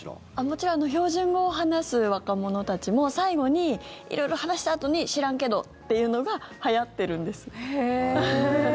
もちろん標準語を話す若者たちも最後に、色々話したあとに知らんけどって言うのがはやってるんです。